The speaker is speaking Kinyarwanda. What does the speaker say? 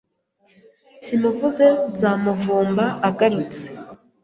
simuvuze nzamuvumba agarutse